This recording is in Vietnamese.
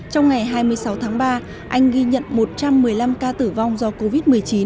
trong ngày hai mươi sáu tháng ba anh ghi nhận một trăm một mươi năm ca tử vong do covid một mươi chín